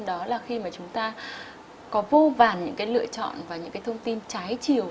đó là khi mà chúng ta có vô vàn những lựa chọn và những thông tin trái chiều